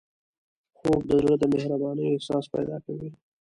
خوب د زړه د مهربانۍ احساس پیدا کوي